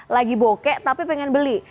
lagi boke tapi pengen beli